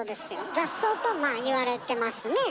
「雑草」とまあ言われてますね。